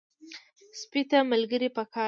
سپي ته ملګري پکار دي.